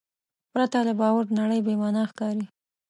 پرته له باور نړۍ بېمانا ښکاري.